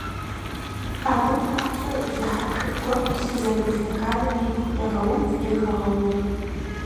Абы папщӀэ зы хьэпшып гуэр псы зэрыт стэканым ибгъукӀэ гъэув е хэгъэувэ.